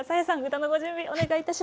歌のご準備お願いいたします。